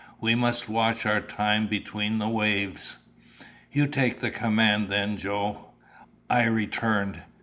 We must watch our time between the waves." "You take the command, then, Joe," I returned.